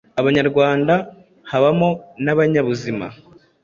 Abanyarwanda habamo n’abanyabuzima.